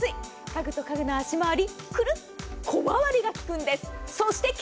家具と家具の足回りくるっと小回りが利くんです。